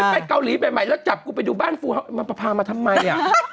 ไปเกาหลีที่ใหม่ใหม่แล้วจับกูไปดูบ้านมาพามาทำไมอ่า